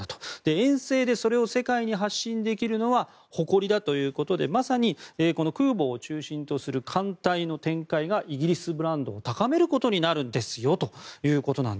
遠征で、それを世界に発信できるのが誇りだということで空母を中心とする艦隊の展開がイギリスブランドを高めることになるんですよと。